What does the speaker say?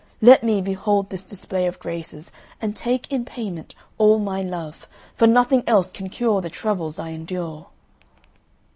Let me behold this display of graces, and take in payment all my love; for nothing else can cure the troubles I endure."